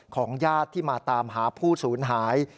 ของญาติที่มาตามหาผู้ศูนย์หาย